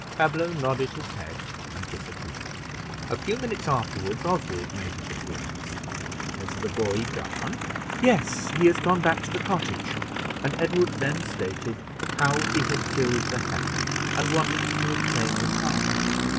Pablo nodded his head and disappeared. A few minutes afterward, Oswald made his appearance. "Is the boy gone?" "Yes; he is gone back to the cottage;" and Edward then stated how he had killed the heifer, and wanted to obtain the calf.